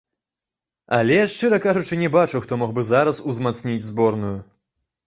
Але, шчыра кажучы, не бачу, хто мог бы зараз узмацніць зборную.